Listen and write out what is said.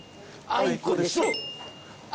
あいこでしょ。